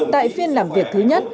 tại phiên làm việc thứ nhất